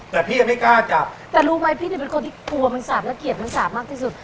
แต่พี่ยังไม่กล้าจับแต่รู้ไหมพี่เนี่ยเป็นคนที่กลัวมันสาบและเกียรติมันสาบมากที่สุด